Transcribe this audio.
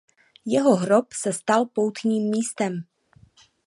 Jeho hrob se stal poutním místem.